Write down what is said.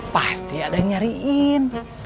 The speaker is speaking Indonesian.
pasti ada yang nyariin